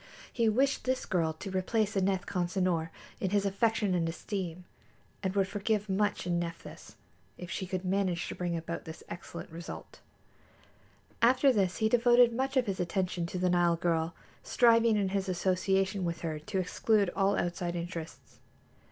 He wished this girl to replace Aneth Consinor in his affection and esteem, and would forgive much in Nephthys if she could manage to bring about this excellent result. After this he devoted much of his attention to the Nile girl, striving in his association with her to exclude all outside interests.